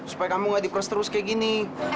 supaya kamu nggak diperus terus kayak gini